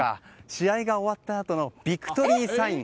試合が終わったあとのビクトリーサイン。